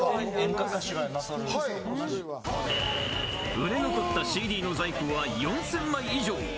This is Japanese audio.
売れ残ったＣＤの在庫は４０００枚以上。